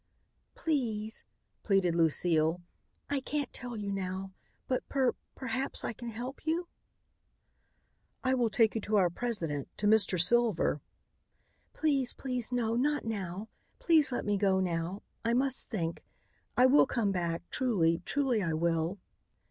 "Please," pleaded Lucile, "I can't tell you now. But per perhaps I can help you." "I will take you to our president, to Mr. Silver." "Please please no not now. Please let me go now. I must think. I will come back truly truly I will."